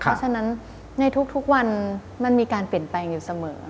เพราะฉะนั้นในทุกวันมันมีการเปลี่ยนแปลงอยู่เสมอ